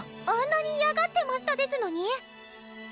あんなに嫌がってましたですのに？